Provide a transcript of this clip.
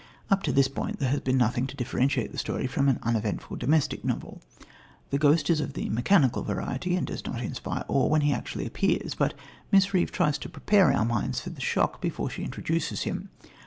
Up to this point, there has been nothing to differentiate the story from an uneventful domestic novel. The ghost is of the mechanical variety and does not inspire awe when he actually appears, but Miss Reeve tries to prepare our minds for the shock, before she introduces him.